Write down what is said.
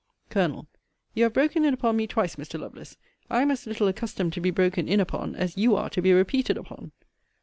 Col. You have broken in upon me twice, Mr. Lovelace. I am as little accustomed to be broken in upon, as you are to be repeated upon.